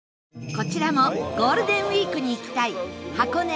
こちらもゴールデンウィークに行きたい箱根